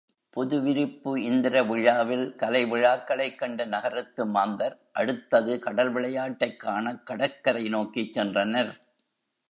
புது விருப்பு இந்திரவிழாவில் கலைவிழாக்களைக் கண்ட நகரத்து மாந்தர் அடுத்தது கடல்விளையாட்டைக் காணக் கடற்கரை நோக்கிச் சென்றனர்.